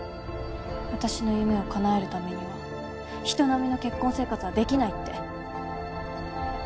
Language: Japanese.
私の夢を叶えるためには人並みの結婚生活はできないって。